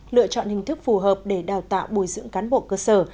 lựa chọn hình thức phù hợp để đào tạo bồi dưỡng cán bộ cơ sở